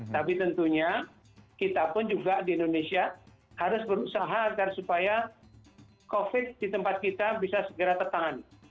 tapi tentunya kita pun juga di indonesia harus berusaha agar supaya covid di tempat kita bisa segera tertahan